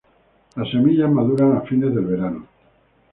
Las semillas maduran a fines del verano.